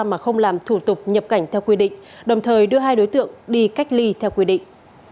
mà không làm thủ tục nhập cảnh theo quy định đồng thời đưa hai đối tượng đi cách ly theo quy định